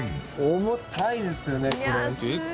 重たいですよねこれ。